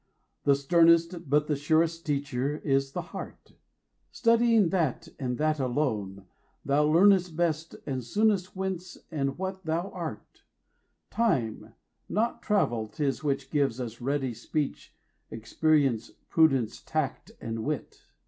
The sternest But the surest teacher is the heart; Studying that and that alone, thou learnest Best and soonest whence and what thou art. Time, not travel, 'tis which gives us ready 5 Speech, experience, prudence, tact, and wit.